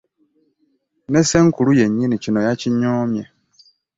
Ne ssenkulu kennyini kino yakinyoomye.